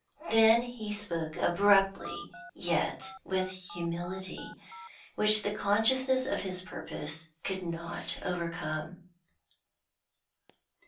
Then he spoke abruptly, yet with humility, which the consciousness of his purpose could not overcome.